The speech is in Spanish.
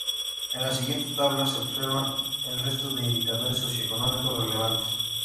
En la siguiente tabla se observan el resto de indicadores socioeconómicos relevantes.